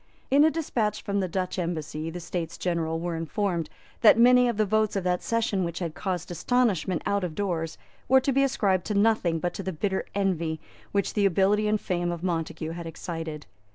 In a despatch from the Dutch embassy the States General were informed that many of the votes of that session which had caused astonishment out of doors were to be ascribed to nothing but to the bitter envy which the ability and fame of Montague had excited.